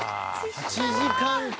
８時間か！